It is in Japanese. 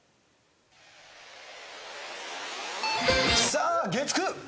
さあ月９。